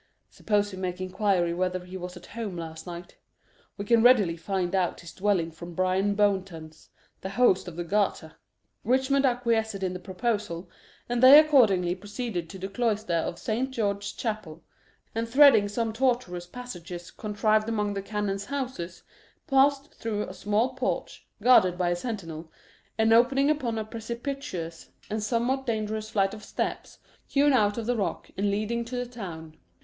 "Suppose we make inquiry whether he was at home last night. We can readily find out his dwelling from Bryan Bowntance, the host of the Garter." Richmond acquiesced in the proposal, and they accordingly proceeded to the cloisters of Saint George's Chapel, and threading some tortuous passages contrived among the canons' houses, passed through a small porch, guarded by a sentinel, and opening upon a precipitous and somewhat dangerous flight of steps, hewn out of the rock and leading to the town.